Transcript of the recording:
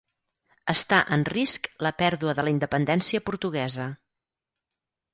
Està en risc la pèrdua de la independència portuguesa.